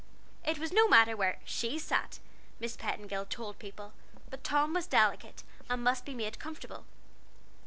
It was no matter where she sat, Miss Petingill told people, but Tom was delicate, and must be made comfortable.